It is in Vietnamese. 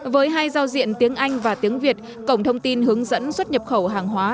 với hai giao diện tiếng anh và tiếng việt cổng thông tin hướng dẫn xuất nhập khẩu hàng hóa